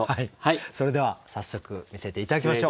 それでは早速見せて頂きましょう。